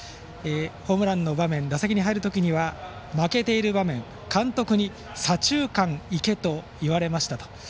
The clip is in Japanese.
ホームランの場面打席に入るときには負けている場面監督に「左中間いけ」といわれましたと。